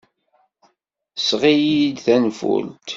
Seɣ-iyi-d tanfult.